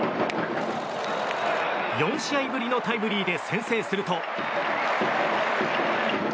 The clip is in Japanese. ４試合ぶりのタイムリーで先制すると。